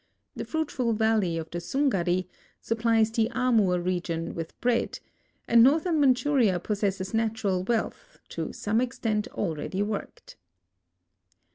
The fruitful valle}'' of the Sungari supplies the Amur region with bread, and northern Manchuria possesses natural wealth, to some extent already worked.